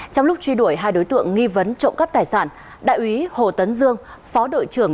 trong lúc truy đuổi hai đối tượng nghi vấn trộm cắp tài sản đại úy hồ tấn dương phó đội trưởng